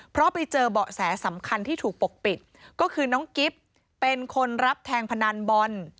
เพราะไปเจอเบาะแสสำคัญที่ถูกปกปิดก็คือน้องกิ๊บเป็นคนรับแทงพนันบอล